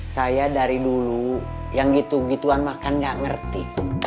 saya dari dulu yang gitu gituan makan gak ngerti